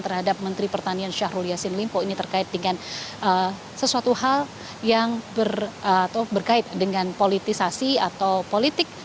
terhadap menteri pertanian syahrul yassin limpo ini terkait dengan sesuatu hal yang berkait dengan politisasi atau politik